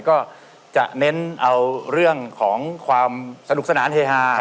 ก็จะเน้นเอาเรื่องของความสนุกสนานเฮฮา